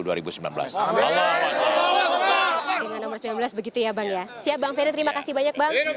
dengan nomor sembilan belas begitu ya bang ya siap bang ferry terima kasih banyak bang